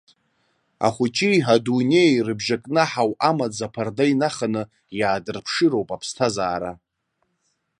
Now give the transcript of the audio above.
Ахәыҷи адунеии ирыбжьакнаҳау амаӡа аԥарда инаханы иаадырԥшыроуп аԥсҭазаара.